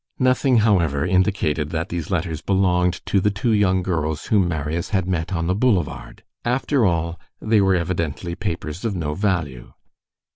Nothing, however, indicated that these letters belonged to the two young girls whom Marius had met on the boulevard. After all, they were evidently papers of no value.